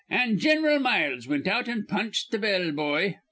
An' Gin ral Miles wint out an' punched th' bell boy.